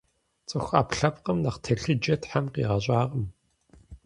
Цӏыху ӏэпкълъэпкъым нэхъ телъыджэ Тхьэм къигъэщӏакъым.